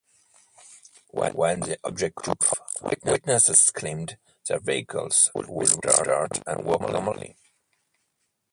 When the object took off, witnesses claimed their vehicles would restart and work normally.